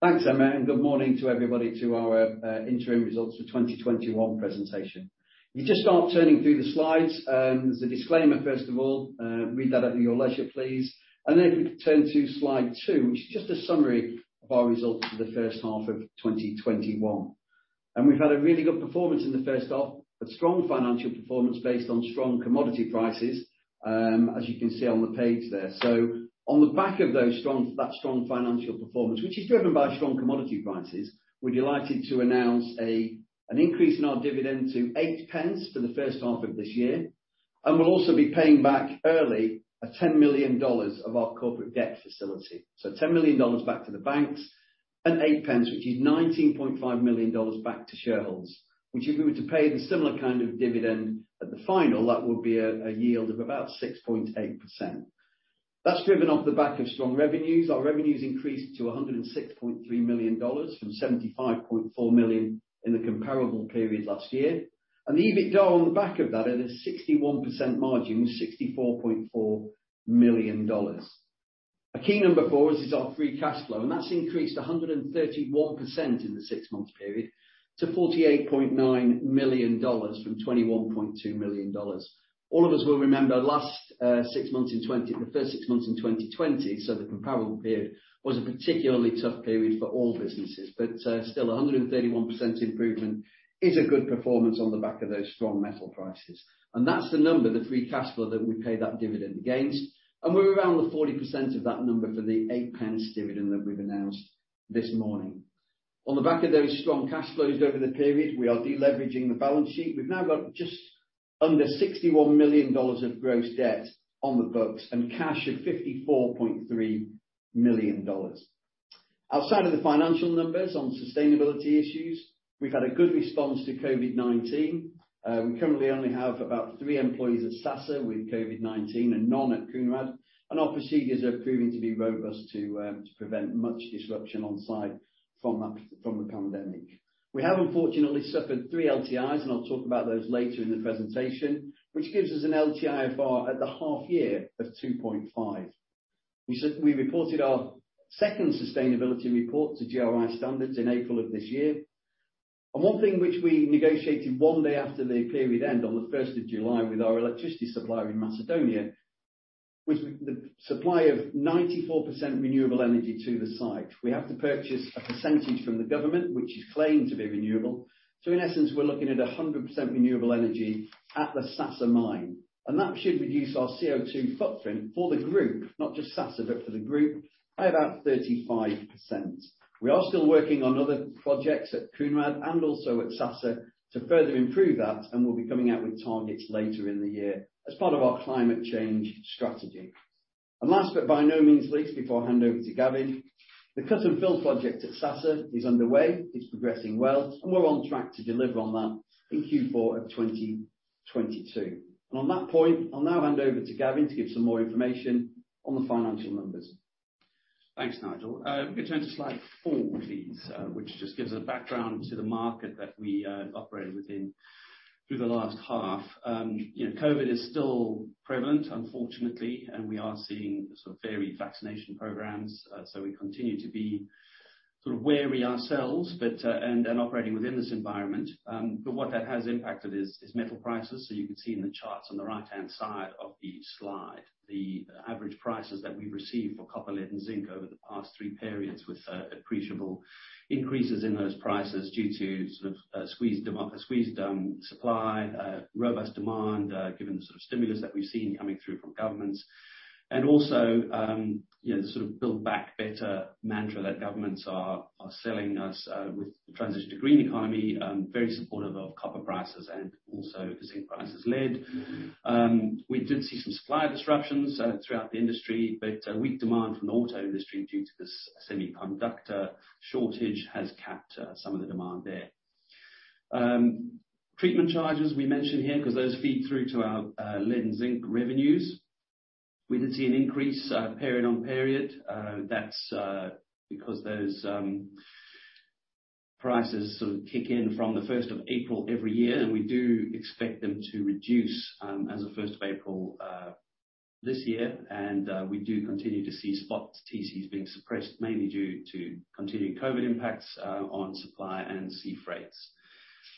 Thanks, Emma, good morning to everybody to our interim results for 2021 presentation. If you just start turning through the slides, there's a disclaimer first of all, read that at your leisure, please. Then if we turn to slide two, which is just a summary of our results for the first half of 2021. We've had a really good performance in the first half, a strong financial performance based on strong commodity prices, as you can see on the page there. On the back of that strong financial performance, which is driven by strong commodity prices, we're delighted to announce an increase in our dividend to GBX 8 for the first half of this year. We'll also be paying back early a $10 million of our corporate debt facility. $10 million back to the banks and GBX 8, which is $19.5 million back to shareholders. If we were to pay the similar kind of dividend at the final, that would be a yield of about 6.8%. That's driven off the back of strong revenues. Our revenues increased to $106.3 million from $75.4 million in the comparable period last year. The EBITDA on the back of that at a 61% margin was $64.4 million. A key number for us is our free cash flow, and that's increased 131% in the six-month period to $48.9 million from $21.2 million. All of us will remember the first six months in 2020, the comparable period, was a particularly tough period for all businesses. Still, 131% improvement is a good performance on the back of those strong metal prices. That's the number, the free cash flow, that we paid that dividend against, and we're around the 40% of that number for the GBX 8 dividend that we've announced this morning. On the back of those strong cash flows over the period, we are de-leveraging the balance sheet. We've now got just under $61 million of gross debt on the books and cash of $54.3 million. Outside of the financial numbers on sustainability issues, we've had a good response to COVID-19. We currently only have about three employees at Sasa with COVID-19 and none at Kounrad. Our procedures are proving to be robust to prevent much disruption on site from the pandemic. We have unfortunately suffered three LTIs, and I'll talk about those later in the presentation, which gives us an LTIFR at the half year of 2.5. We reported our second sustainability report to GRI standards in April of this year. One thing which we negotiated one day after the 1st of July with our electricity supplier in Macedonia, was the supply of 94% renewable energy to the site. We have to purchase a percentage from the government, which is claimed to be renewable. In essence, we're looking at 100% renewable energy at the Sasa mine. That should reduce our CO2 footprint for the group, not just Sasa, but for the group, by about 35%. We are still working on other projects at Kounrad and also at Sasa to further improve that, and we'll be coming out with targets later in the year as part of our climate change strategy. Last but by no means least, before I hand over to Gavin, the cut-and-fill project at Sasa is underway. It's progressing well, and we're on track to deliver on that in Q4 of 2022. On that point, I'll now hand over to Gavin to give some more information on the financial numbers. Thanks, Nigel. If we could turn to slide four, please, which just gives a background to the market that we operated within through the last half. COVID is still prevalent, unfortunately, and we are seeing sort of varied vaccination programs. We continue to be sort of wary ourselves and operating within this environment. What that has impacted is metal prices. You can see in the charts on the right-hand side of the slide, the average prices that we've received for copper, lead, and zinc over the past three periods with appreciable increases in those prices due to sort of squeezed supply, robust demand given the sort of stimulus that we've seen coming through from governments. Also, the sort of build back better mantra that governments are selling us with the transition to green economy, very supportive of copper prices and also zinc prices. We did see some supplier disruptions throughout the industry, but weak demand from the auto industry due to the semiconductor shortage has capped some of the demand there. Treatment Charges we mention here because those feed through to our lead and zinc revenues. We did see an increase period on period. That's because those prices sort of kick in from the 1st of April every year, and we do expect them to reduce as of 1st of April this year. We do continue to see spot TCs being suppressed, mainly due to continuing COVID impacts on supply and sea freights.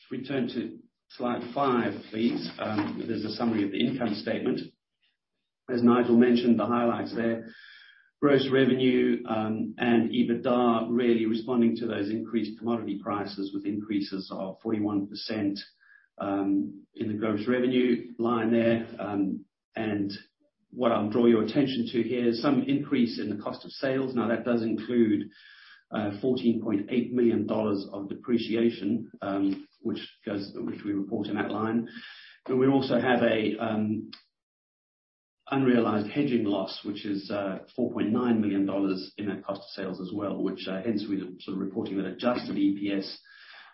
If we turn to slide five, please. There's a summary of the income statement. As Nigel mentioned, the highlights there. Gross revenue and EBITDA really responding to those increased commodity prices with increases of 41% in the gross revenue line there. What I'll draw your attention to here is some increase in the cost of sales. That does include $14.8 million of depreciation which we report in that line. We also have an unrealized hedging loss, which is $4.9 million in that cost of sales as well, which hence we're reporting an adjusted EPS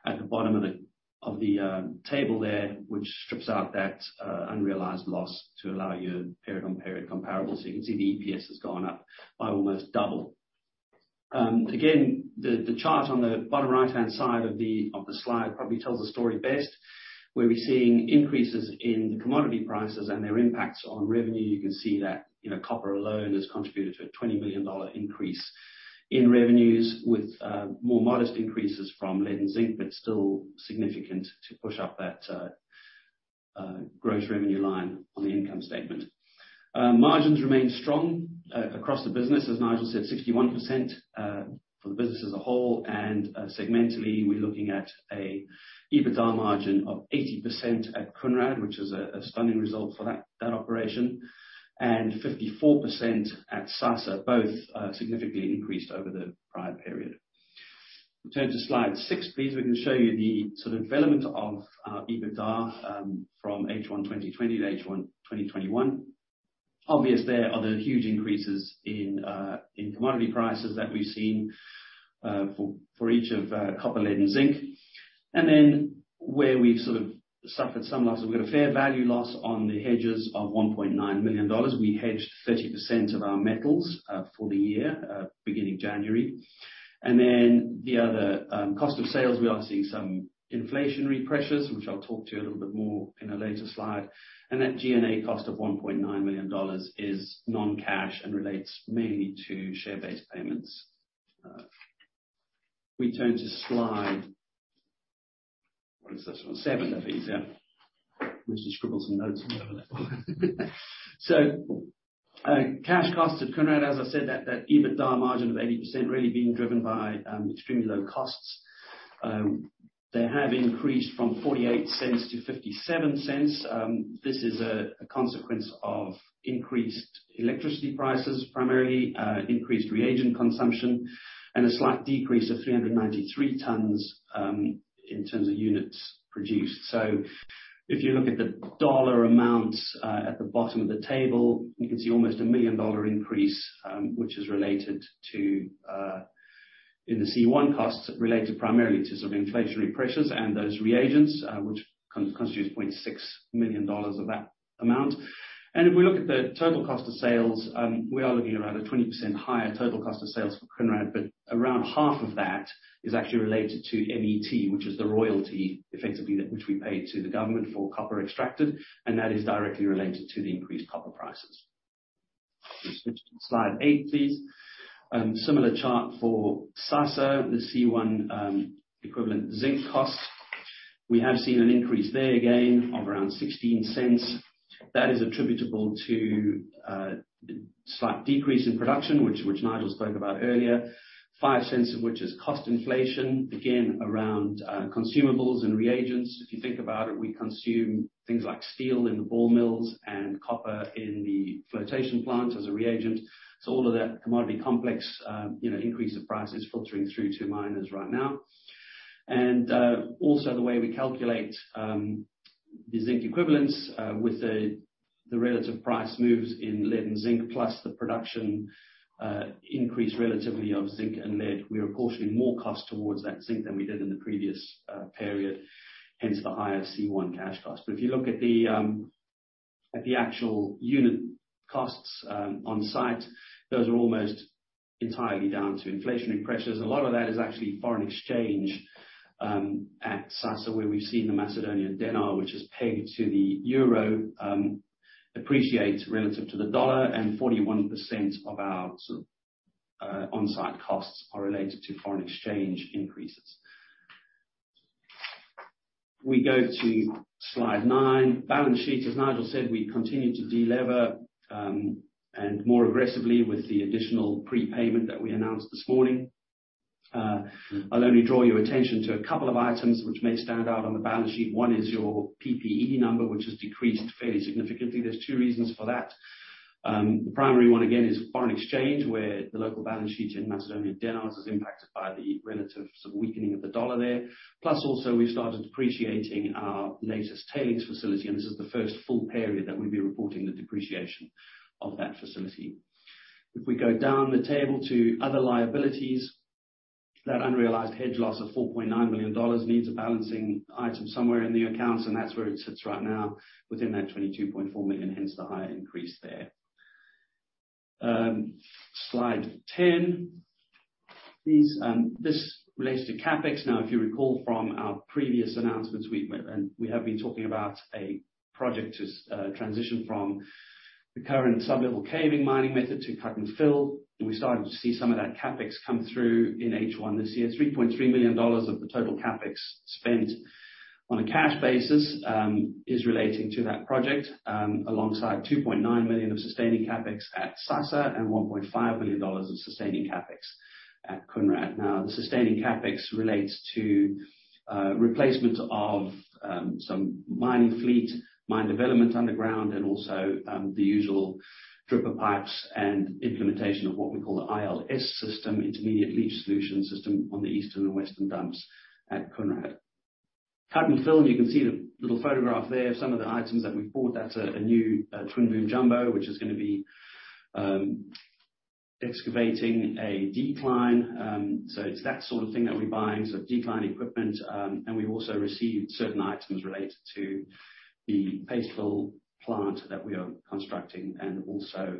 at the bottom of the table there, which strips out that unrealized loss to allow you period-on-period comparable. You can see the EPS has gone up by almost double. Again, the chart on the bottom right-hand side of the slide probably tells the story best, where we're seeing increases in the commodity prices and their impacts on revenue. You can see that copper alone has contributed to a $20 million increase in revenues, with more modest increases from lead and zinc, but still significant to push up that gross revenue line on the income statement. Margins remain strong across the business. As Nigel said, 61% for the business as a whole, and segmentally, we're looking at an EBITDA margin of 80% at Kounrad, which is a stunning result for that operation, and 54% at Sasa, both significantly increased over the prior period. We turn to slide six, please. We're going to show you the development of EBITDA from H1 2020 to H1 2021. Obvious there are the huge increases in commodity prices that we've seen for each of copper, lead, and zinc. Where we've suffered some losses, we've got a fair value loss on the hedges of $1.9 million. We hedged 30% of our metals for the year, beginning January. The other cost of sales, we are seeing some inflationary pressures, which I'll talk to you a little bit more in a later slide. That G&A cost of $1.9 million is non-cash and relates mainly to share-based payments. We turn to slide, what is this one? Seven, that'd be easier. I managed to scribble some notes. Cash costs at Kounrad, as I said, that EBITDA margin of 80% really being driven by extremely low costs. They have increased from $0.48 to $0.57. This is a consequence of increased electricity prices, primarily increased reagent consumption, and a slight decrease of 393 tonnes in terms of units produced. If you look at the dollar amount at the bottom of the table, you can see almost a $1 million increase, which is related to, in the C1 costs, related primarily to some inflationary pressures and those reagents, which constitutes $26 million of that amount. If we look at the total cost of sales, we are looking around a 20% higher total cost of sales for Kounrad. Around half of that is actually related to MET, which is the royalty effectively which we pay to the government for copper extracted, and that is directly related to the increased copper prices. Can we switch to slide eight, please. Similar chart for Sasa, the C1 equivalent zinc cost. We have seen an increase there again of around $0.16. That is attributable to a slight decrease in production, which Nigel spoke about earlier, $0.05 of which is cost inflation, again, around consumables and reagents. If you think about it, we consume things like steel in the ball mills and copper in the flotation plant as a reagent. All of that commodity complex increase of price is filtering through to miners right now. Also the way we calculate the zinc equivalents with the relative price moves in lead and zinc, plus the production increase relatively of zinc and lead, we're apportioning more cost towards that zinc than we did in the previous period, hence the higher C1 cash cost. If you look at the actual unit costs on-site, those are almost entirely down to inflationary pressures. A lot of that is actually foreign exchange at Sasa, where we've seen the Macedonian denar, which is pegged to the euro, appreciate relative to the dollar, and 41% of our on-site costs are related to foreign exchange increases. We go to slide nine, balance sheet. As Nigel said, we continue to de-lever, and more aggressively with the additional prepayment that we announced this morning. I'll only draw your attention to a couple of items which may stand out on the balance sheet. One is your PPE number, which has decreased fairly significantly. There's two reasons for that. The primary one, again, is foreign exchange, where the local balance sheet in Macedonian denars is impacted by the relative weakening of the dollar there. Also, we've started depreciating our latest tailings facility, and this is the first full period that we'll be reporting the depreciation of that facility. If we go down the table to other liabilities, that unrealized hedge loss of $4.9 million needs a balancing item somewhere in the accounts, and that's where it sits right now, within that $22.4 million, hence the higher increase there. Slide 10. Now, if you recall from our previous announcements, and we have been talking about a project to transition from the current sub-level caving mining method to cut and fill. We're starting to see some of that CapEx come through in H1 this year. $3.3 million of the total CapEx spent on a cash basis is relating to that project, alongside $2.9 million of sustaining CapEx at Sasa and $1.5 million of sustaining CapEx at Kounrad. The sustaining CapEx relates to replacement of some mining fleet, mine development underground, and also the usual dripper pipes and implementation of what we call the ILS system, intermediate leach solution system, on the eastern and western dumps at Kounrad. Cut and fill, and you can see the little photograph there of some of the items that we bought. That's a new twin boom jumbo, which is gonna be excavating a decline. It's that sort of thing that we buy, so declining equipment, and we also receive certain items related to the paste fill plant that we are constructing and also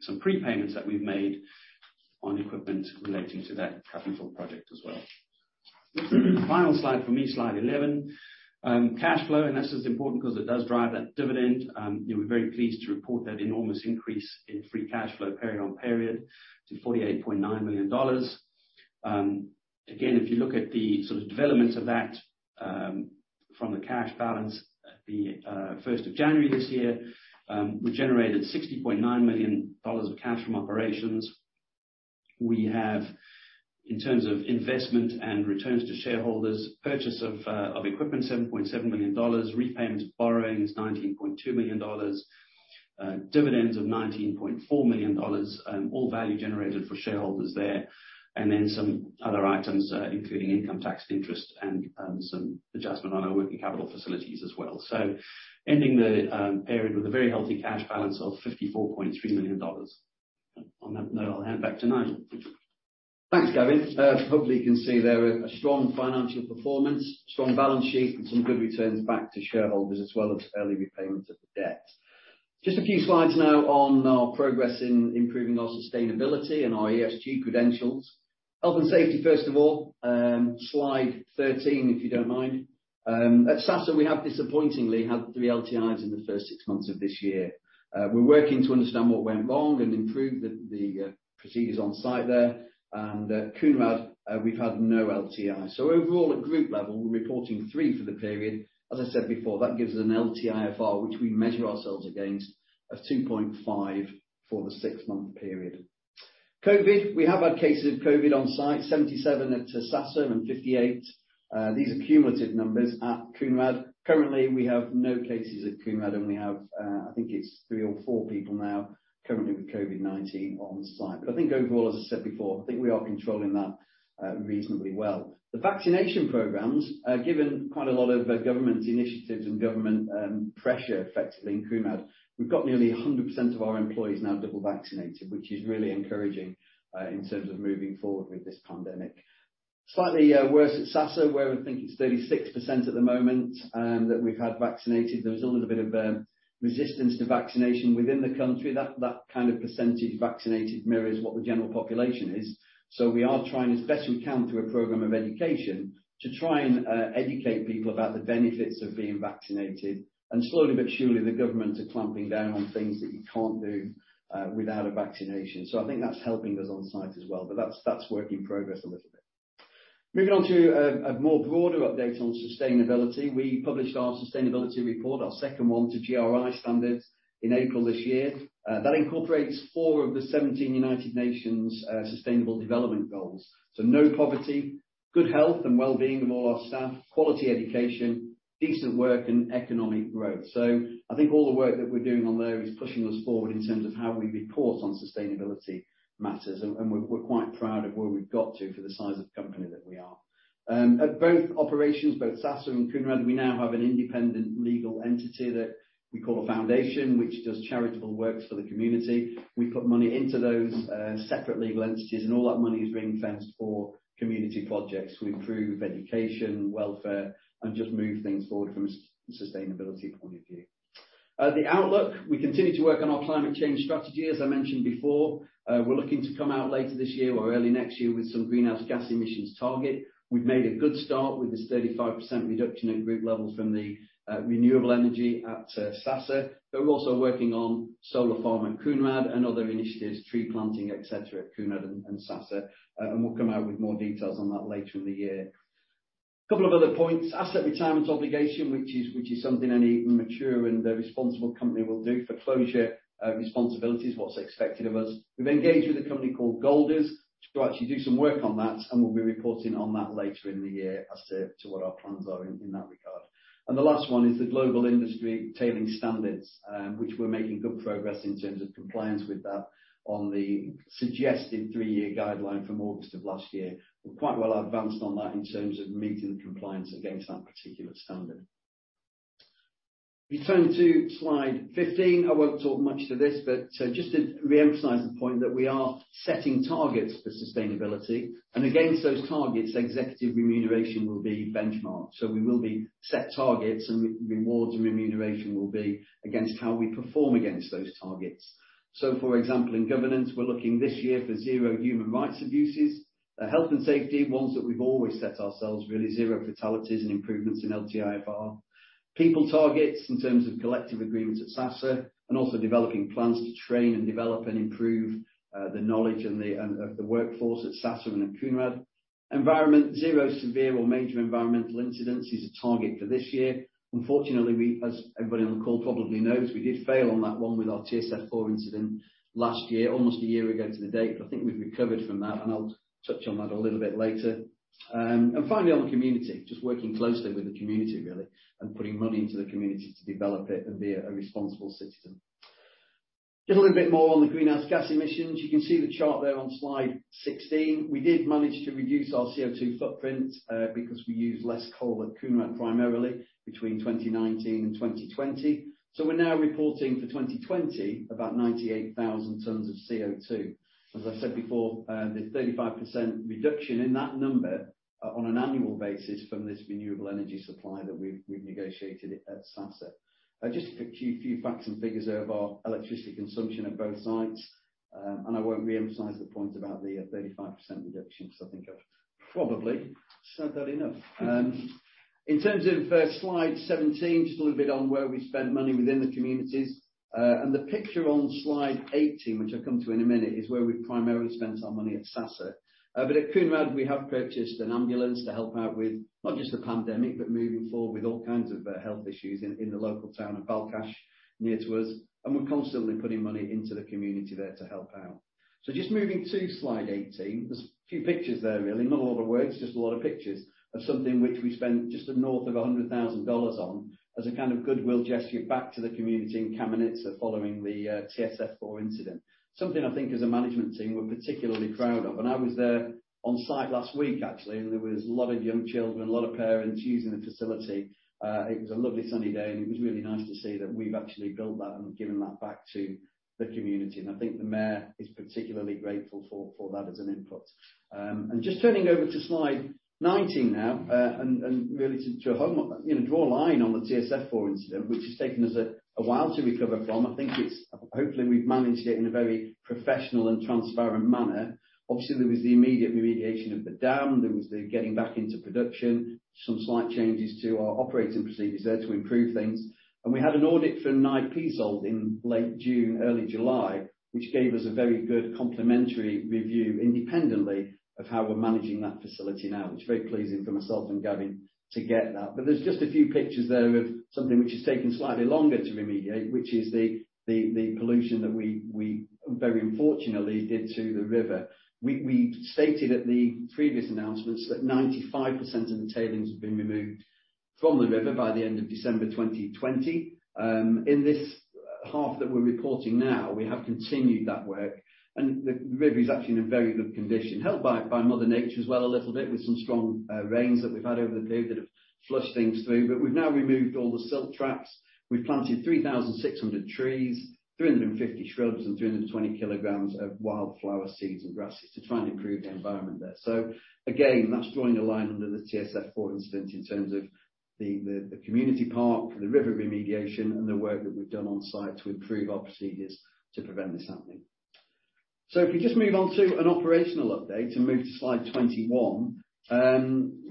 some prepayments that we've made on equipment relating to that capital project as well. Final slide for me, slide 11. Cash flow, and this is important because it does drive that dividend. We're very pleased to report that enormous increase in free cash flow period on period to $48.9 million. Again, if you look at the sort of development of that from the cash balance at the 1st of January this year, we generated $60.9 million of cash from operations. We have, in terms of investment and returns to shareholders, purchase of equipment, $7.7 million, repayments, borrowings, $19.2 million, dividends of $19.4 million, all value generated for shareholders there. Some other items, including income tax interest and some adjustment on our working capital facilities as well. Ending the period with a very healthy cash balance of $54.3 million. On that note, I'll hand back to Nigel. Thanks, Gavin. Hopefully, you can see there a strong financial performance, strong balance sheet, and some good returns back to shareholders as well as early repayment of the debt. Just a few slides now on our progress in improving our sustainability and our ESG credentials. Health and safety, first of all, slide 13, if you don't mind. At Sasa we have disappointingly had three LTIs in the first six months of this year. We're working to understand what went wrong and improve the procedures on site there. At Kounrad, we've had no LTI. Overall, at group level, we're reporting three for the period. As I said before, that gives an LTIFR which we measure ourselves against of 2.5 for the six-month period. COVID, we have had cases of COVID on site, 77 at Sasa and 58, these are cumulative numbers, at Kounrad. Currently, we have no cases at Kounrad and we have, I think it's three or four people now currently with COVID-19 on site. I think overall, as I said before, I think we are controlling that reasonably well. The vaccination programs, given quite a lot of government initiatives and government pressure, effectively, in Kounrad, we've got nearly 100% of our employees now double vaccinated, which is really encouraging in terms of moving forward with this pandemic. Slightly worse at Sasa, where I think it's 36% at the moment that we've had vaccinated. There was a little bit of resistance to vaccination within the country. That kind of percentage vaccinated mirrors what the general population is. We are trying as best we can through a program of education to try and educate people about the benefits of being vaccinated. Slowly but surely, the government are clamping down on things that you can't do without a vaccination. I think that's helping us on site as well, but that's work in progress a little bit. Moving on to a more broader update on sustainability. We published our sustainability report, our second one to GRI standards in April this year. That incorporates four of the 17 United Nations Sustainable Development Goals. No poverty, good health and well-being of all our staff, quality education, decent work and economic growth. I think all the work that we're doing on there is pushing us forward in terms of how we report on sustainability matters, and we're quite proud of where we've got to for the size of company that we are. At both operations, both Sasa and Kounrad, we now have an independent legal entity that we call a foundation which does charitable works for the community. We put money into those separate legal entities, and all that money is ring-fenced for community projects to improve education, welfare, and just move things forward from a sustainability point of view. The outlook, we continue to work on our climate change strategy, as I mentioned before. We're looking to come out later this year or early next year with some greenhouse gas emissions target. We've made a good start with this 35% reduction at group level from the renewable energy at Sasa. We're also working on solar farm at Kounrad and other initiatives, tree planting, etc., at Kounrad and Sasa, and we'll come out with more details on that later in the year. Couple of other points. Asset retirement obligation, which is something any mature and a responsible company will do for closure responsibilities, what's expected of us. We've engaged with a company called Golder to actually do some work on that, We'll be reporting on that later in the year as to what our plans are in that regard. The last one is the Global Industry Tailings Standard, which we're making good progress in terms of compliance with that on the suggested three-year guideline from August of last year. We're quite well advanced on that in terms of meeting the compliance against that particular standard. We turn to slide 15. I won't talk much to this, but just to reemphasize the point that we are setting targets for sustainability, and against those targets, executive remuneration will be benchmarked. We will be set targets, and rewards and remuneration will be against how we perform against those targets. For example, in governance, we're looking this year for zero human rights abuses. Health and safety, ones that we've always set ourselves, really, zero fatalities and improvements in LTIFR. People targets in terms of collective agreements at Sasa and also developing plans to train and develop and improve the knowledge of the workforce at Sasa and at Kounrad. Environment, zero severe or major environmental incidents is a target for this year. Unfortunately, as everybody on the call probably knows, we did fail on that one with our TSF4 incident last year, almost a year ago to the date. I think we've recovered from that, and I'll touch on that a little bit later. On the community, working closely with the community, really, and putting money into the community to develop it and be a responsible citizen. A little bit more on the greenhouse gas emissions. You can see the chart there on slide 16. We did manage to reduce our CO2 footprint, because we use less coal at Kounrad primarily between 2019 and 2020. We're now reporting for 2020 about 98,000 tonnes of CO2. As I said before, the 35% reduction in that number on an annual basis from this renewable energy supply that we've negotiated at Sasa. A few facts and figures there of our electricity consumption at both sites. I won't reemphasize the point about the 35% reduction because I think I've probably said that enough. In terms of slide 17, a little bit on where we spend money within the communities. The picture on slide 18, which I’ll come to in a minute, is where we primarily spend our money at Sasa. At Kounrad, we have purchased an ambulance to help out with not just the pandemic, but moving forward with all kinds of health issues in the local town of Balkhash, near to us. We’re constantly putting money into the community there to help out. Just moving to slide 18. There’s a few pictures there really. Not a lot of words, just a lot of pictures of something which we spent just the north of $100,000 on as a kind of goodwill gesture back to the community in Kamenica following the TSF4 incident. Something I think as a management team we’re particularly proud of. I was there on-site last week actually, and there was a lot of young children, a lot of parents using the facility. It was a lovely sunny day and it was really nice to see that we've actually built that and given that back to the community. I think the mayor is particularly grateful for that as an input. Just turning over to slide 19 now, and really to draw a line on the TSF4 incident, which has taken us a while to recover from. Hopefully we've managed it in a very professional and transparent manner. Obviously, there was the immediate remediation of the dam. There was the getting back into production. Some slight changes to our operating procedures there to improve things. We had an audit from IXIS in late June, early July, which gave us a very good complimentary review independently of how we're managing that facility now, which is very pleasing for myself and Gavin to get that. There's just a few pictures there of something which has taken slightly longer to remediate, which is the pollution that we very unfortunately did to the river. We stated at the previous announcements that 95% of the tailings have been removed from the river by the end of December 2020. In this half that we're reporting now, we have continued that work, and the river is actually in a very good condition. Helped by Mother Nature as well a little bit with some strong rains that we've had over the period that have flushed things through. We've now removed all the silt traps. We've planted 3,600 trees, 350 shrubs, and 320 kg of wildflower seeds and grasses to try and improve the environment there. Again, that's drawing a line under the TSF-4 incident in terms of the community park, the river remediation, and the work that we've done on-site to improve our procedures to prevent this happening. If we just move on to an operational update and move to slide 21.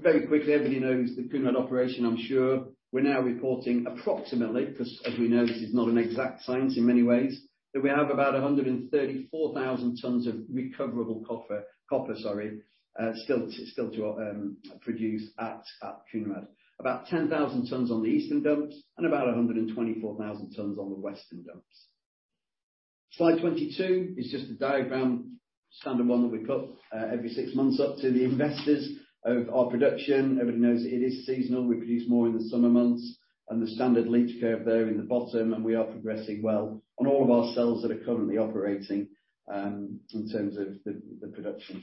Very quickly, everybody knows the Kounrad operation, I'm sure. We're now reporting approximately, because as we know, this is not an exact science in many ways, that we have about 134,000 tonnes of recoverable copper still to produce at Kounrad. About 10,000 tonnes on the eastern dumps and about 124,000 tonnes on the western dumps. Slide 22 is just a diagram, standard one that we put every six months up to the investors of our production. Everybody knows it is seasonal. We produce more in the summer months and the standard leach curve there in the bottom, and we are progressing well on all of our cells that are currently operating, in terms of the production.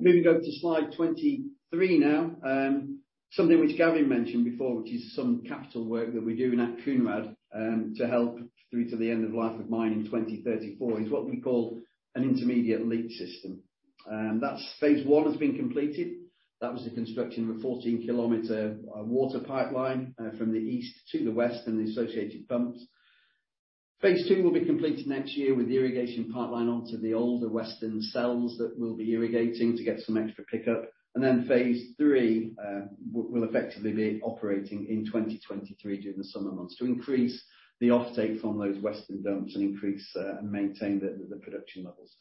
Moving over to slide 23 now. Something which Gavin mentioned before, which is some capital work that we're doing at Kounrad, to help through to the end of life of mining in 2034, is what we call an intermediate leach solution system. Phase 1 has been completed. That was the construction of a 14 km water pipeline from the east to the west and the associated pumps. Phase 2 will be completed next year with the irrigation pipeline onto the older western cells that we'll be irrigating to get some extra pickup. Phase 3 will effectively be operating in 2023 during the summer months to increase the offtake from those western dumps and increase and maintain the production levels.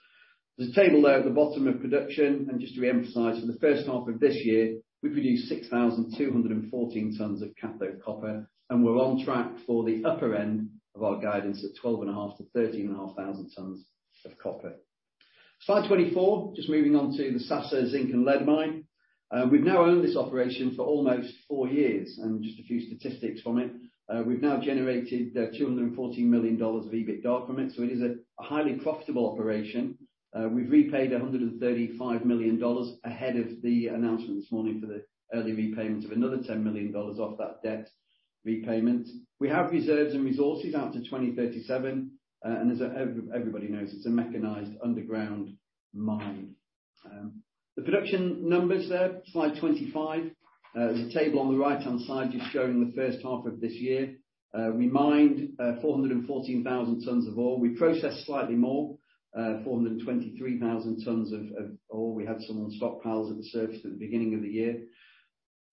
There's a table there at the bottom of production. Just to reemphasize, for the first half of this year, we produced 6,214 tonnes of cathode copper, and we're on track for the upper end of our guidance at 12,500-13,500 tonnes of copper. Slide 24, just moving on to the Sasa Zinc and Lead Mine. We've now owned this operation for almost four years, and just a few statistics from it. We've now generated $214 million of EBITDA from it, so it is a highly profitable operation. We've repaid $135 million ahead of the announcement this morning for the early repayment of another $10 million off that debt repayment. We have reserves and resources out to 2037, and as everybody knows, it's a mechanized underground mine. The production numbers there, slide 25. There's a table on the right-hand side just showing the first half of this year. We mined 414,000 tonnes of ore. We processed slightly more, 423,000 tonnes of ore. We had some on stockpiles at the surface at the beginning of the year.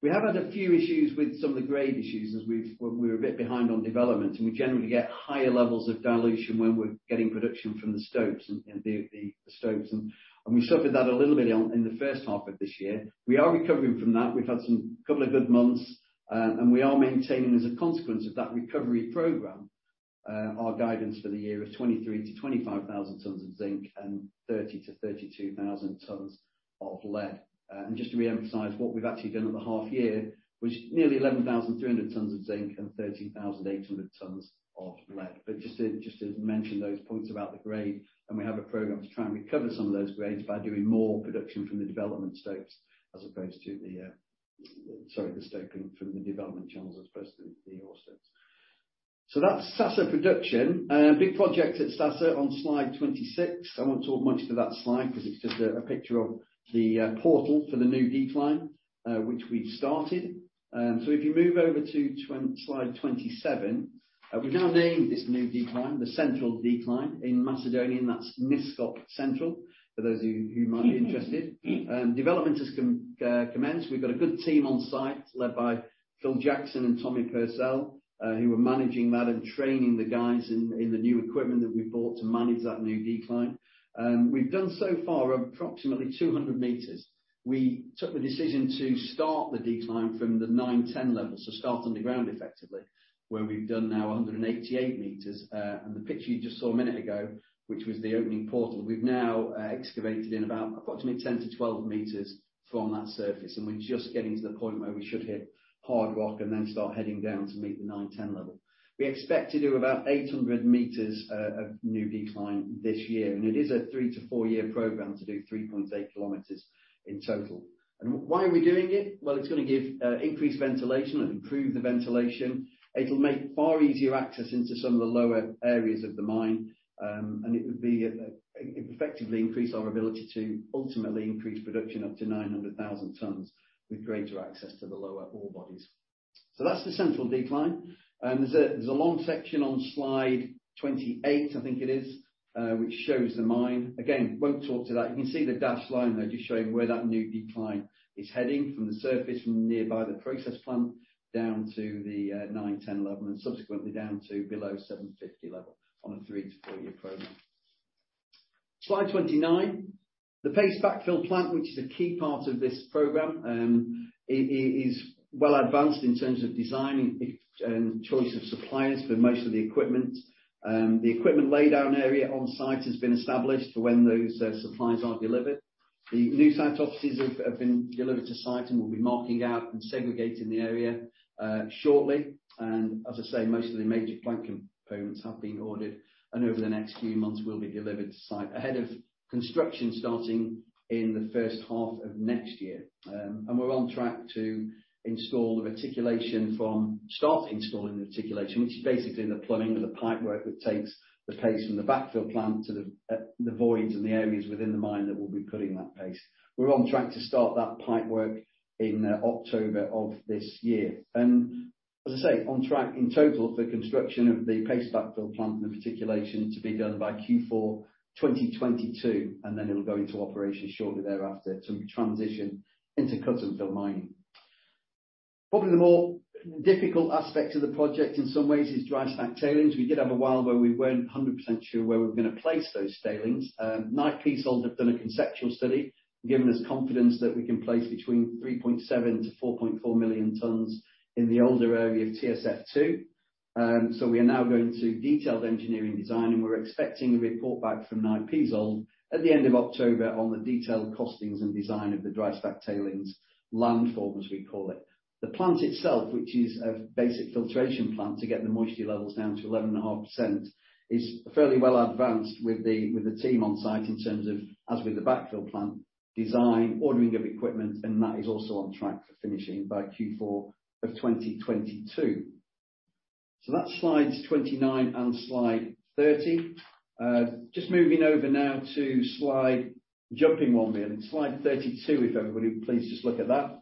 We have had a few issues with some of the grade issues as we were a bit behind on development, and we generally get higher levels of dilution when we're getting production from the stopes. We suffered that a little bit in the first half of this year. We are recovering from that. We've had a couple of good months. We are maintaining as a consequence of that recovery program. Our guidance for the year is 23,000-25,000 tonnes of zinc and 30,000- 32,000 tonnes of lead. Just to reemphasize, what we've actually done at the half year was nearly 11,300 tonnes of zinc and 13,800 tonnes of lead. Just to mention those points about the grade, we have a program to try and recover some of those grades by doing more production from the development channels, as opposed to the ore stopes. That's Sasa production. Big project at Sasa on slide 26. I won't talk much to that slide because it's just a picture of the portal for the new decline, which we've started. If you move over to slide 27. We've now named this new decline, the Central Decline. In Macedonian, that's Niskop Central, for those of you who might be interested. Development has commenced. We've got a good team on site led by Phil Jackson and Tommy Purcell, who are managing that and training the guys in the new equipment that we bought to manage that new decline. We've done so far approximately 200 m. We took the decision to start the decline from the 910 Level, so start underground effectively, where we've done now 188 m. The picture you just saw a minute ago, which was the opening portal, we've now excavated in about approximately 10-12 m from that surface, and we're just getting to the point where we should hit hard rock and then start heading down to meet the 910 Level. We expect to do about 800 m of new decline this year. It is a three- to four-year program to do 3.8 km in total. Why are we doing it? Well, it's going to give increased ventilation and improve the ventilation. It'll make far easier access into some of the lower areas of the mine. It would effectively increase our ability to ultimately increase production up to 900,000 tonnes with greater access to the lower ore bodies. That's the central decline. There's a long section on slide 28, I think it is, which shows the mine. Again, won't talk to that. You can see the dashed line, though, just showing where that new decline is heading from the surface, from nearby the process plant down to the 910 Level, and subsequently down to below 750 Level on a three- to four-year program. Slide 29. The paste backfill plant, which is a key part of this program, is well advanced in terms of design and choice of suppliers for most of the equipment. The equipment laydown area on site has been established for when those supplies are delivered. The new site offices have been delivered to site and will be marking out and segregating the area shortly. As I say, most of the major plant components have been ordered and over the next few months will be delivered to site ahead of construction starting in the first half of next year. We're on track to start installing the reticulation, which is basically the plumbing or the pipework that takes the paste from the backfill plant to the voids and the areas within the mine that we'll be putting that paste. We're on track to start that pipework in October of this year. As I say, on track in total for construction of the paste backfill plant and the reticulation to be done by Q4 2022, then it'll go into operation shortly thereafter to transition into cut and fill mining. Probably the more difficult aspect of the project in some ways is dry stack tailings. We did have a while where we weren't 100% sure where we were going to place those tailings. Knight Piésold have done a conceptual study, given us confidence that we can place between 3.7-4.4 million tonnes in the older area of TSF2. We are now going to detailed engineering design, and we're expecting a report back from Knight Piésold at the end of October on the detailed costings and design of the dry stack tailings landform, as we call it. The plant itself, which is a basic filtration plant to get the moisture levels down to 11.5%, is fairly well advanced with the team on site in terms of, as with the backfill plant, design, ordering of equipment, and that is also on track for finishing by Q4 of 2022. That's slides 29 and slide 30. Just moving over now to slide, jumping one minute, slide 32, if everybody would please just look at that.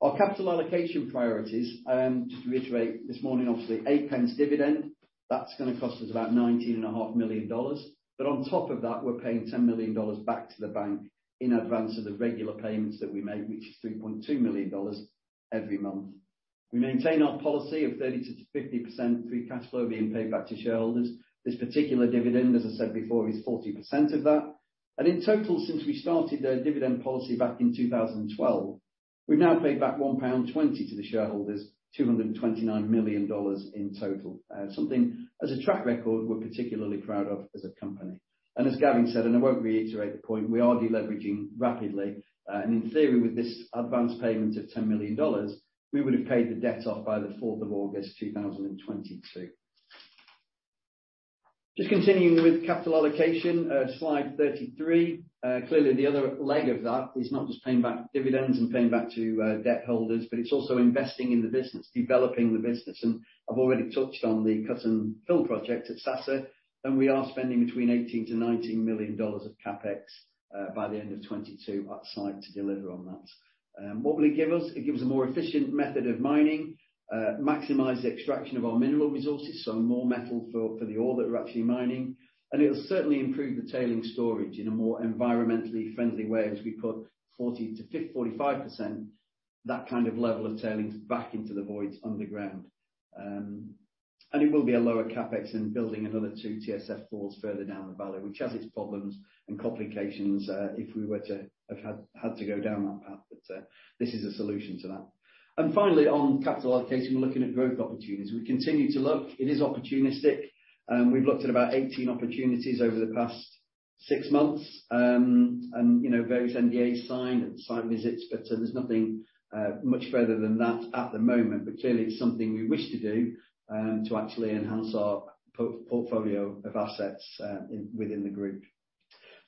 Our capital allocation priorities, just to reiterate this morning, obviously GBX 8 dividend, that's going to cost us about $19.5 million. On top of that, we're paying $10 million back to the bank in advance of the regular payments that we make, which is $3.2 million every month. We maintain our policy of 30%-50% free cash flow being paid back to shareholders. This particular dividend, as I said before, is 40% of that. In total, since we started the dividend policy back in 2012, we've now paid back 1.20 pound to the shareholders, $229 million in total. Something as a track record we're particularly proud of as a company. As Gavin said, and I won't reiterate the point, we are de-leveraging rapidly. In theory, with this advance payment of $10 million, we would have paid the debt off by the 4th of August 2022. Just continuing with capital allocation, slide 33. Clearly, the other leg of that is not just paying back dividends and paying back to debt holders, but it's also investing in the business, developing the business. I've already touched on the cut and fill project at Sasa, and we are spending between $18 million-$19 million of CapEx by the end of 2022 at site to deliver on that. What will it give us? It gives a more efficient method of mining, maximize the extraction of our mineral resources, so more metal for the ore that we're actually mining, and it'll certainly improve the tailing storage in a more environmentally friendly way as we put 40%-45%, that kind of level of tailings back into the voids underground. It will be a lower CapEx than building another two TSF4s further down the valley, which has its problems and complications, if we were to have had to go down that path. This is a solution to that. Finally, on capital allocation, we're looking at growth opportunities. We continue to look. It is opportunistic. We've looked at about 18 opportunities over the past six months, and various NDAs signed and site visits, but there's nothing much further than that at the moment. Clearly it's something we wish to do to actually enhance our portfolio of assets within the group.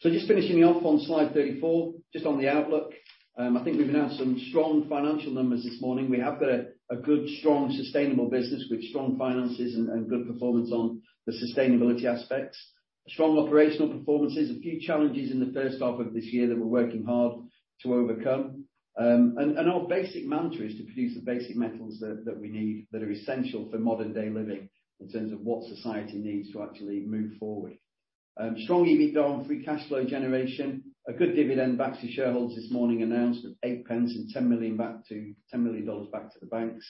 Just finishing off on slide 34, just on the outlook. I think we've announced some strong financial numbers this morning. We have got a good, strong, sustainable business with strong finances and good performance on the sustainability aspects. Strong operational performances. A few challenges in the first half of this year that we're working hard to overcome. Our basic mantra is to produce the basic metals that we need that are essential for modern-day living in terms of what society needs to actually move forward. Strong EBITDA and free cash flow generation. A good dividend back to shareholders this morning announced of GBX 8 and $10 million back to the banks.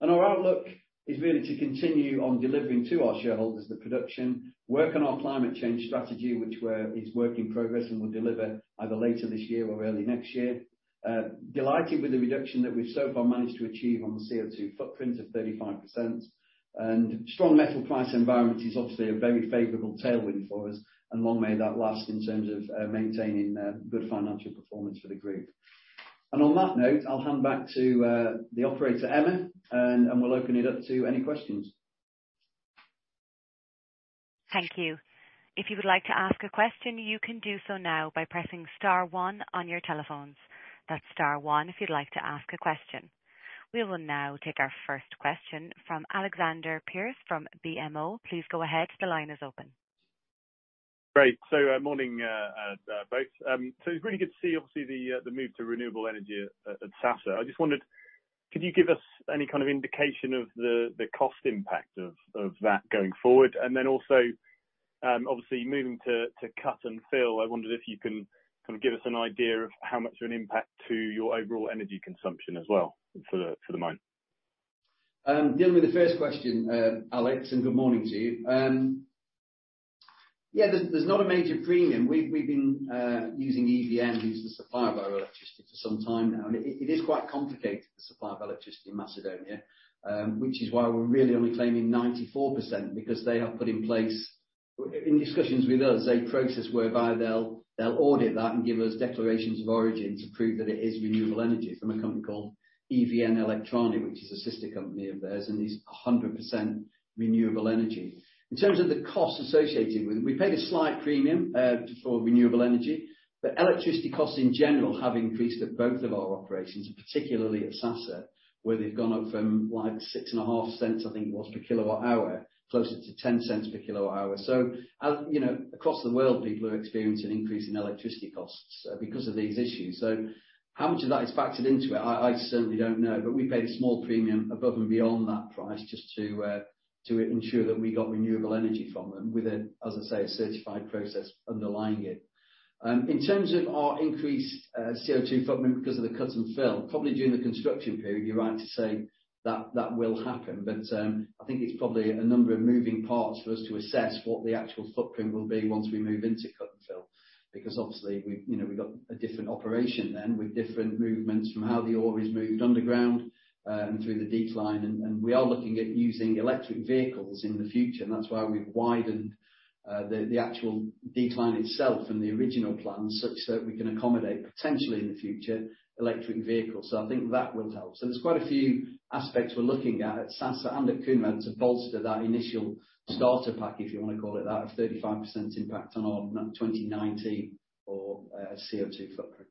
Our outlook is really to continue on delivering to our shareholders the production work on our climate change strategy, which is work in progress and will deliver either later this year or early next year. Delighted with the reduction that we've so far managed to achieve on the CO2 footprint of 35%. Strong metal price environment is obviously a very favorable tailwind for us, and long may that last in terms of maintaining good financial performance for the group. On that note, I'll hand back to the operator, Emma, and we'll open it up to any questions. Thank you. If you would like to ask a question, you can do so now by pressing star one on your telephones. That's star one if you'd like to ask a question. We will now take our first question from Alexander Pearce from BMO. Please go ahead. The line is open. Great. Morning, both. It's really good to see, obviously, the move to renewable energy at Sasa. I just wondered, could you give us any kind of indication of the cost impact of that going forward? Also, obviously moving to cut and fill, I wondered if you can give us an idea of how much of an impact to your overall energy consumption as well for the mine. Dealing with the first question, Alex, and good morning to you. Yeah, there's not a major premium. We've been using EVN as the supplier of our electricity for some time now. It is quite complicated, the supply of electricity in North Macedonia, which is why we're really only claiming 94%, because they have put in place, in discussions with us, a process whereby they'll audit that and give us declarations of origin to prove that it is renewable energy from a company called EVN Elektron, which is a sister company of theirs and is 100% renewable energy. In terms of the cost associated with it, we paid a slight premium for renewable energy, but electricity costs in general have increased at both of our operations, particularly at Sasa, where they've gone up from $0.065, I think it was, per kilowatt hour, closer to $0.10 per kilowatt hour. Across the world, people are experiencing an increase in electricity costs because of these issues. How much of that is factored into it, I certainly don't know. We paid a small premium above and beyond that price just to ensure that we got renewable energy from them with a, as I say, a certified process underlying it. In terms of our increased CO2 footprint because of the cut and fill, probably during the construction period, you're right to say that will happen. I think it's probably a number of moving parts for us to assess what the actual footprint will be once we move into cut and fill. Obviously we've got a different operation then with different movements from how the ore is moved underground and through the decline. We are looking at using electric vehicles in the future, and that's why we've widened the actual decline itself from the original plan, such that we can accommodate, potentially in the future, electric vehicles. I think that will help. There's quite a few aspects we're looking at Sasa and at Kounrad, to bolster that initial starter pack, if you want to call it that, of 35% impact on our 2019 CO2 footprint.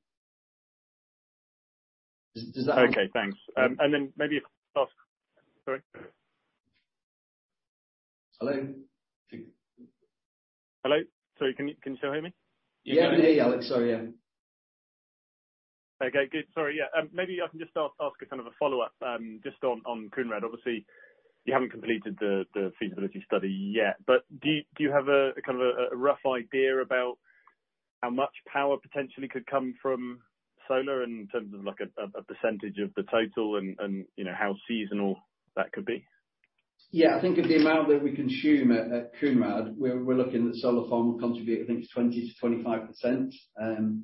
Does that help? Okay, thanks. Then maybe if I could ask Sorry. Hello? Hello? Sorry, can you still hear me? Yeah, we can hear you, Alex. Sorry, yeah. Okay, good. Sorry, yeah. Maybe I can just ask a follow-up just on Kounrad. Obviously, you haven't completed the feasibility study yet, but do you have a rough idea about how much power potentially could come from solar in terms of a percentage of the total and how seasonal that could be? Yeah, I think of the amount that we consume at Kounrad, we're looking at the solar farm will contribute, I think, 20%-25% of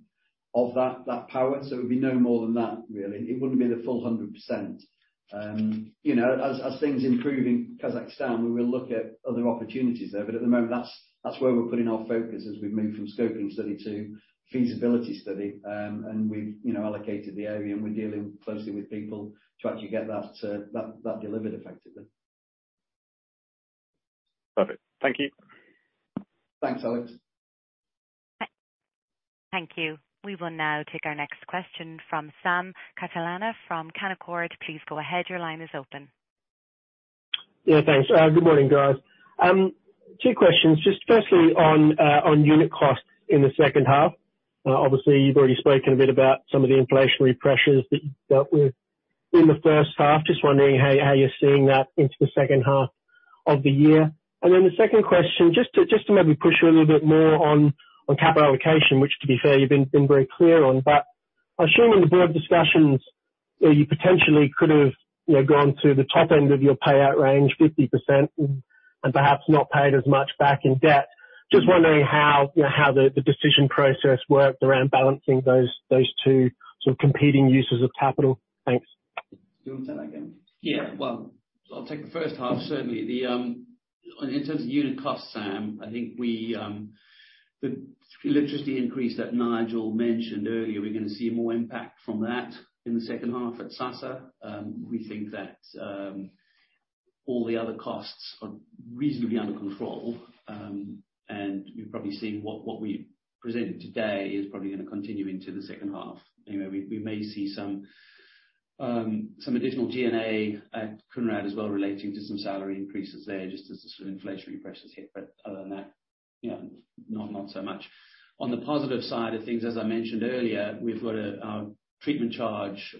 that power. It would be no more than that, really. It wouldn't be the full 100%. As things improve in Kazakhstan, we will look at other opportunities there. At the moment, that's where we're putting our focus as we move from scoping study to feasibility study. We've allocated the area, and we're dealing closely with people to actually get that delivered effectively. Perfect. Thank you. Thanks, Alex. Thank you. We will now take our next question from Sam Catalano from Canaccord. Please go ahead. Your line is open. Yeah, thanks. Good morning, guys. Two questions. Just firstly on unit costs in the second half. Obviously, you've already spoken a bit about some of the inflationary pressures that you dealt with in the first half. Just wondering how you're seeing that into the second half of the year. The second question, just to maybe push you a little bit more on capital allocation, which to be fair, you've been very clear on. I assume in the Board discussions you potentially could have gone to the top end of your payout range 50% and perhaps not paid as much back in debt. Just wondering how the decision process worked around balancing those two competing uses of capital. Thanks. Do you want to say that again? Well, I'll take the first half, certainly. In terms of unit cost, Sam, I think the electricity increase that Nigel mentioned earlier, we're going to see more impact from that in the second half at Sasa. We think that all the other costs are reasonably under control, and you've probably seen what we presented today is probably going to continue into the second half. We may see some additional G&A at Kounrad as well relating to some salary increases there just as the sort of inflationary pressures hit. Other than that, not so much. On the positive side of things, as I mentioned earlier, we've got treatment charge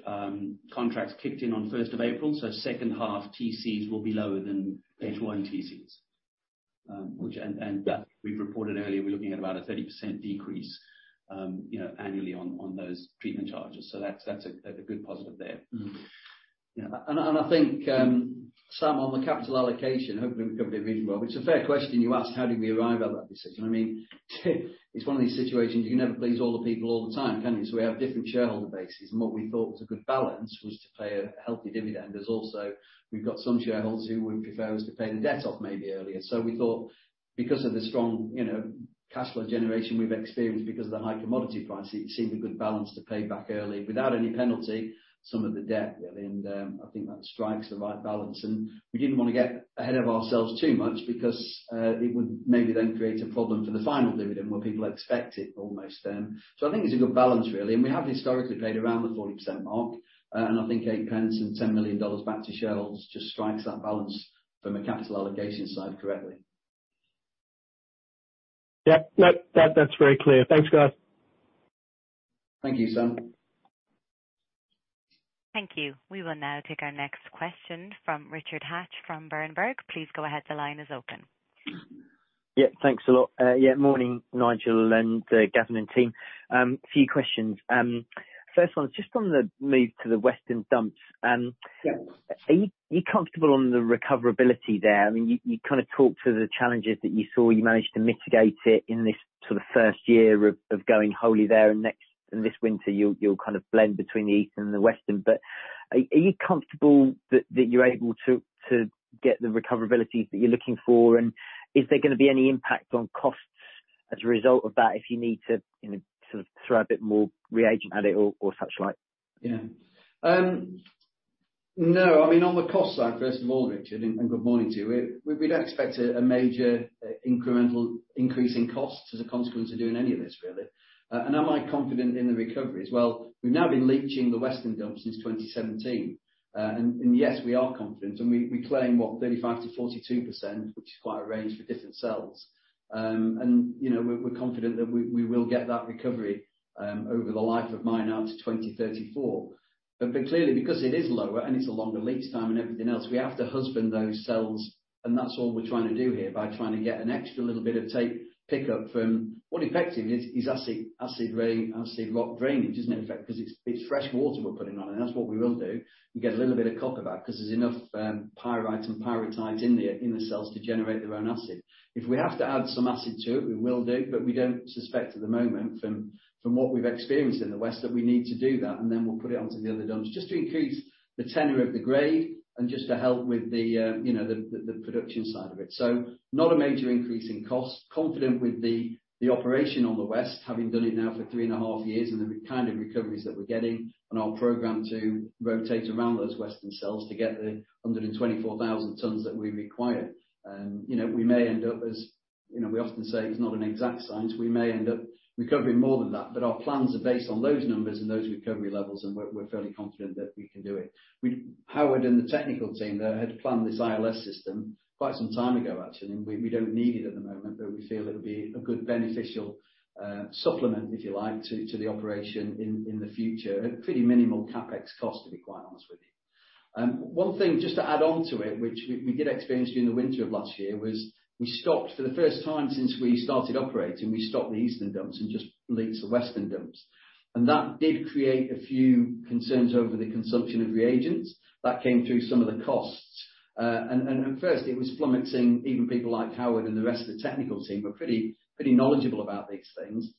contracts kicked in on 1st of April, so second half TCs will be lower than H1 TCs. We've reported earlier, we're looking at about a 30% decrease annually on those treatment charges. That's a good positive there. I think, Sam, on the capital allocation, hopefully we covered it reasonably well. It's a fair question you asked, how did we arrive at that decision? It's one of these situations, you can never please all the people all the time, can you? We have different shareholder bases, and what we thought was a good balance was to pay a healthy dividend. There's also, we've got some shareholders who would prefer us to pay the debt off maybe earlier. We thought because of the strong cash flow generation we've experienced because of the high commodity prices, it seemed a good balance to pay back early without any penalty some of the debt, really. I think that strikes the right balance. We didn't want to get ahead of ourselves too much because it would maybe then create a problem for the final dividend where people expect it almost then. I think it's a good balance, really. We have historically paid around the 40% mark. I think GBX 8 and $10 million back to shareholders just strikes that balance from a capital allocation side correctly. Yep. That's very clear. Thanks, guys. Thank you, Sam. Thank you. We will now take our next question from Richard Hatch from Berenberg. Please go ahead. Yeah. Thanks a lot. Yeah. Morning, Nigel and Gavin and team. A few questions. First one is just on the move to the western dumps. Yeah. Are you comfortable on the recoverability there? You kind of talked through the challenges that you saw. You managed to mitigate it in this sort of first year of going wholly there, and this winter you'll kind of blend between the Eastern and the Western. Are you comfortable that you're able to get the recoverability that you're looking for, and is there going to be any impact on costs as a result of that if you need to sort of throw a bit more reagent at it or such like? Yeah. No, on the cost side, first of all, Richard, and good morning to you. We don't expect a major incremental increase in costs as a consequence of doing any of this, really. Am I confident in the recovery? Well, we've now been leaching the western dump since 2017. Yes, we are confident, and we claim what, 35%-42%, which is quite a range for different cells. We're confident that we will get that recovery over the life of mine now to 2034. Clearly because it is lower and it's a longer leach time and everything else, we have to husband those cells, and that's all we're trying to do here by trying to get an extra little bit of take pickup from what effectively is acid rain, acid rock drainage, isn't it, in effect? It's fresh water we're putting on, and that's what we will do and get a little bit of cock about because there's enough pyrite and pyritite in the cells to generate their own acid. If we have to add some acid to it, we will do. We don't suspect at the moment from what we've experienced in the west that we need to do that, then we'll put it onto the other dumps just to increase the tenure of the grade and just to help with the production side of it. Not a major increase in cost. Confident with the operation on the west, having done it now for 3.5 years and the kind of recoveries that we're getting and our program to rotate around those western cells to get the 124,000 tonnes that we require. We may end up as we often say, it's not an exact science. We may end up recovering more than that, but our plans are based on those numbers and those recovery levels, and we're fairly confident that we can do it. Howard and the technical team, though, had planned this ILS system quite some time ago, actually, and we don't need it at the moment, but we feel it'll be a good beneficial supplement, if you like, to the operation in the future at pretty minimal CapEx cost, to be quite honest with you. One thing just to add onto it, which we did experience during the winter of last year, was we stopped for the first time since we started operating, we stopped the eastern dumps and just leached the western dumps. That did create a few concerns over the consumption of reagents. That came through some of the costs. At first it was flummoxing even people like Howard and the rest of the technical team who are pretty knowledgeable about these things.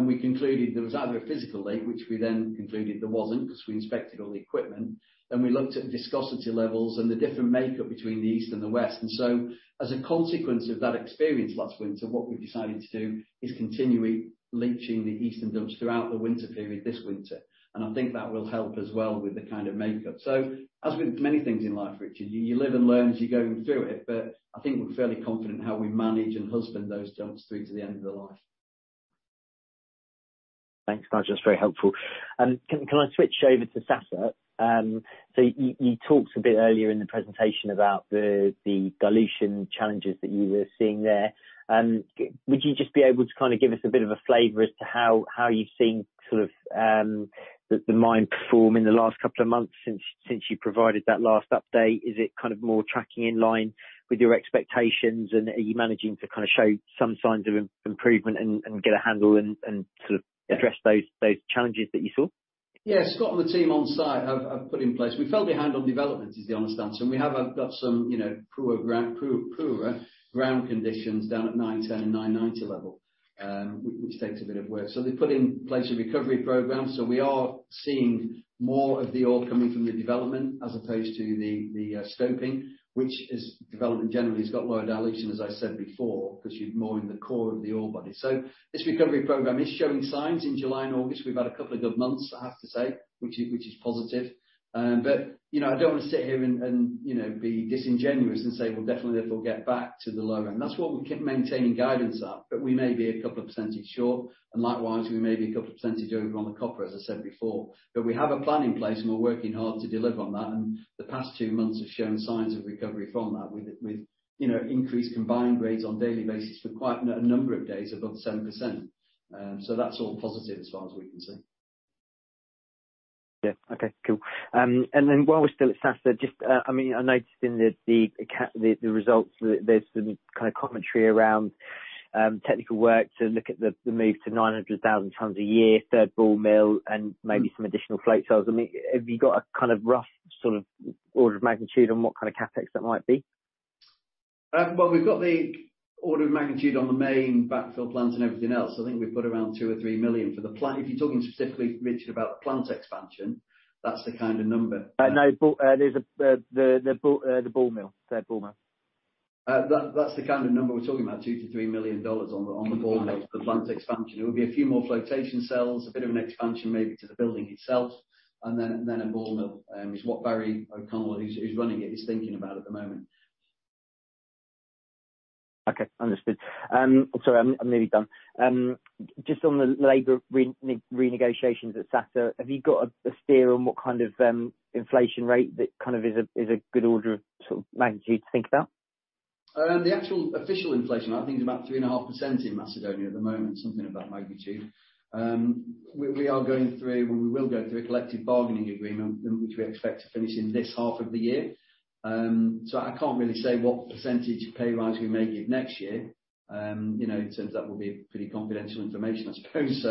We concluded there was either a physical leak, which we then concluded there wasn't because we inspected all the equipment, and we looked at viscosity levels and the different makeup between the east and the west. As a consequence of that experience last winter, what we've decided to do is continue leaching the eastern dumps throughout the winter period this winter. I think that will help as well with the kind of makeup. As with many things in life, Richard, you live and learn as you're going through it, but I think we're fairly confident how we manage and husband those dumps through to the end of the life. Thanks, Nigel. That's very helpful. Can I switch over to Sasa? You talked a bit earlier in the presentation about the dilution challenges that you were seeing there. Would you just be able to kind of give us a bit of a flavor as to how you're seeing sort of the mine perform in the last couple of months since you provided that last update? Is it kind of more tracking in line with your expectations? Are you managing to kind of show some signs of improvement and get a handle and sort of address those challenges that you saw? Yeah. Scott and the team on-site have put in place. We fell behind on development, is the honest answer, and we have got some poorer ground conditions down at 910 Level and 990 Level, which takes a bit of work. They put in place a recovery program. We are seeing more of the ore coming from the development as opposed to the stoping, which is development generally. It's got lower dilution, as I said before, because you're more in the core of the ore body. This recovery program is showing signs in July and August. We've had a couple of good months, I have to say, which is positive. I don't want to sit here and be disingenuous and say, "Well, definitely they will get back to the low end." That's what we keep maintaining guidance at. We may be a couple of percentage short, and likewise, we may be a couple of percentage over on the copper, as I said before. We have a plan in place, and we're working hard to deliver on that. The past two months have shown signs of recovery from that. We've increased combined grades on daily basis for quite a number of days above 7%. That's all positive as far as we can see. Yeah. Okay, cool. While we're still at Sasa, I noticed in the results there's some kind of commentary around technical work to look at the move to 900,000 tonnes a year, third ball mill, and maybe some additional float cells. Have you got a kind of rough sort of order of magnitude on what kind of CapEx that might be? Well, we've got the order of magnitude on the main backfill plans and everything else. I think we put around $2 million or $3 million for the plan. If you're talking specifically, Richard, about the plant expansion, that's the kind of number. No, the ball mill, third ball mill. That's the kind of number we're talking about, $2 million-$3 million on the ball mill. Okay. For the plant expansion. It would be a few more flotation cells, a bit of an expansion maybe to the building itself, and then a ball mill, is what Barry O'Connell, who's running it, is thinking about at the moment. Okay, understood. Sorry, I'm nearly done. Just on the labor renegotiations at Sasa, have you got a steer on what kind of inflation rate that kind of is a good order of magnitude to think about? The actual official inflation, I think, is about 3.5% in North Macedonia at the moment, something of that magnitude. We will go through a collective bargaining agreement, which we expect to finish in this half of the year. I can't really say what percentage pay rise we may give next year, in terms of that will be pretty confidential information, I suppose.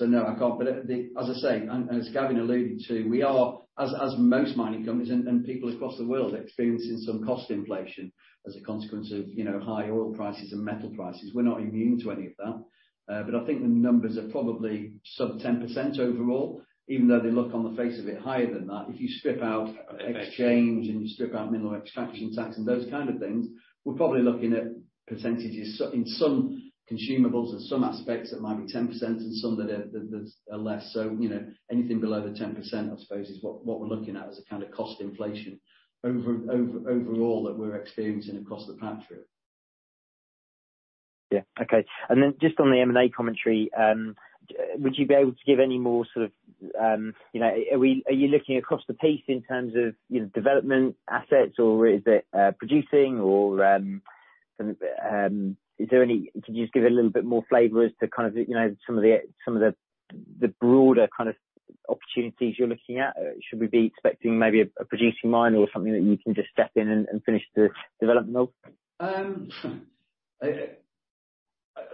No, I can't. As I say, and as Gavin alluded to, we are, as most mining companies and people across the world, experiencing some cost inflation as a consequence of high oil prices and metal prices. We're not immune to any of that. I think the numbers are probably sub 10% overall, even though they look on the face of it higher than that. If you strip out exchange and you strip out mineral extraction tax and those kind of things, we're probably looking at percentages in some consumables and some aspects that might be 10% and some that are less. Anything below the 10%, I suppose, is what we're looking at as a kind of cost inflation overall that we're experiencing across the patch here. Yeah. Okay. Just on the M&A commentary, would you be able to give any more sort of Are you looking across the piece in terms of development assets or is it producing or can you just give it a little bit more flavor as to some of the broader kind of opportunities you're looking at? Should we be expecting maybe a producing mine or something that you can just step in and finish the development of?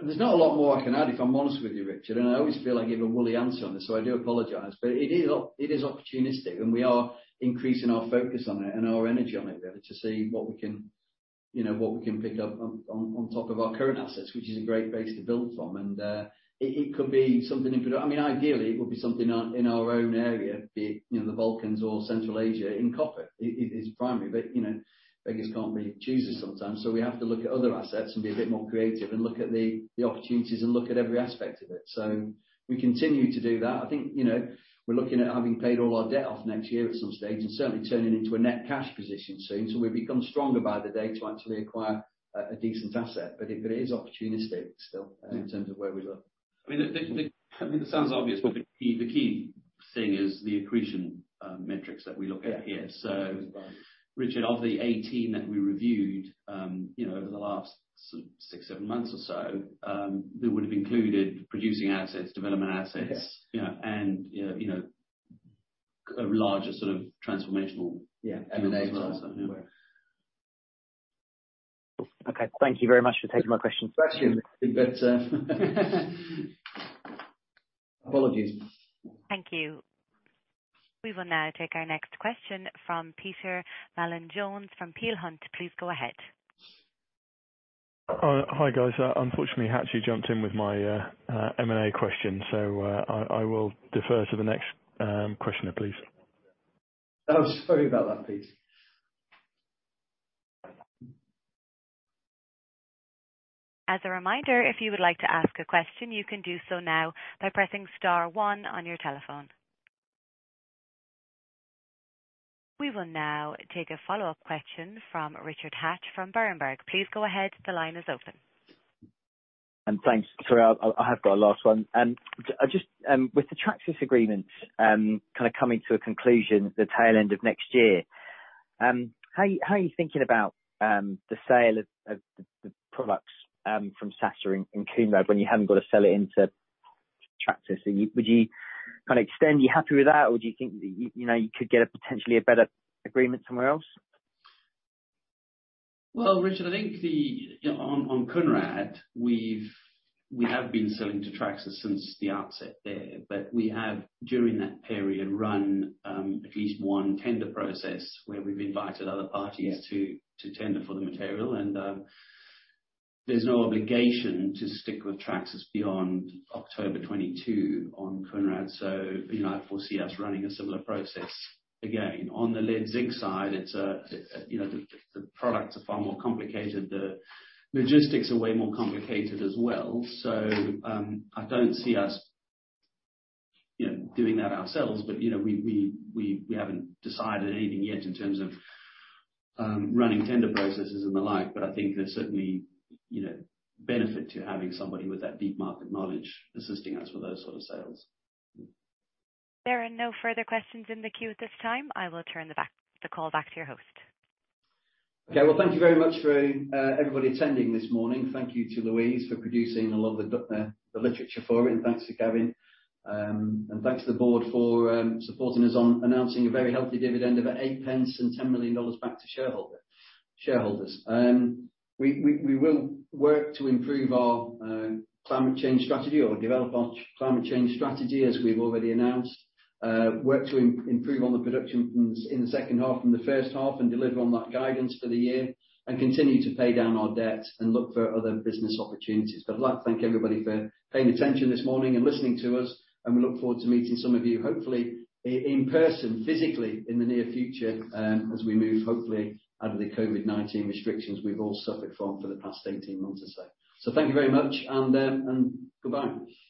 There's not a lot more I can add, if I'm honest with you, Richard, and I always feel I give a woolly answer on this, so I do apologize. It is opportunistic, and we are increasing our focus on it and our energy on it really to see what we can pick up on top of our current assets, which is a great base to build from. It could be something ideally, it would be something in our own area, be it the Balkans or Central Asia, in copper. It's primary. Beggars can't be choosers sometimes. We have to look at other assets and be a bit more creative and look at the opportunities and look at every aspect of it. We continue to do that. I think we're looking at having paid all our debt off next year at some stage and certainly turning into a net cash position soon. We become stronger by the day to actually acquire a decent asset. It is opportunistic still in terms of where we look. It sounds obvious, but the key thing is the accretion metrics that we look at here. Yeah. Richard, of the 18 that we reviewed over the last six, seven months or so, that would have included producing assets, development assets. Yeah. And a larger sort of transformational- Yeah. M&A as well. Anyway. Okay. Thank you very much for taking my question. Question. I think that's. Apologies. Thank you. We will now take our next question from Peter Mallin-Jones from Peel Hunt. Please go ahead. Hi, guys. Unfortunately, Hatch jumped in with my M&A question, so I will defer to the next questioner, please. Oh, sorry about that, Peter. As a reminder, if you would like to ask a question, you can do so now by pressing star one on your telephone. We will now take a follow-up question from Richard Hatch from Berenberg. Please go ahead. The line is open. Thanks. Sorry, I have got a last one. With the Traxys agreement kind of coming to a conclusion at the tail end of next year, how are you thinking about the sale of the products from Sasa in Kounrad when you haven't got to sell it into Traxys? Would you kind of extend? Are you happy with that? Or do you think you could get potentially a better agreement somewhere else? Well, Richard, I think on Kounrad, we have been selling to Traxys since the outset there. We have, during that period, run at least one tender process where we've invited other parties. Yeah. To tender for the material. There's no obligation to stick with Traxys beyond October 2022 on Kounrad. I foresee us running a similar process again. On the lead zinc side, the products are far more complicated. The logistics are way more complicated as well. I don't see us doing that ourselves. We haven't decided anything yet in terms of running tender processes and the like. I think there's certainly benefit to having somebody with that deep market knowledge assisting us with those sort of sales. There are no further questions in the queue at this time. I will turn the call back to your host. Okay. Well, thank you very much for everybody attending this morning. Thank you to Louise for producing all of the literature for it. Thanks to Gavin. Thanks to the board for supporting us on announcing a very healthy dividend of GBX 8 and $10 million back to shareholders. We will work to improve our climate change strategy or develop our climate change strategy, as we've already announced. Work to improve on the production in the second half from the first half and deliver on that guidance for the year, continue to pay down our debt and look for other business opportunities. I'd like to thank everybody for paying attention this morning and listening to us, and we look forward to meeting some of you, hopefully in person, physically, in the near future as we move, hopefully, out of the COVID-19 restrictions we've all suffered from for the past 18 months or so. Thank you very much, and goodbye.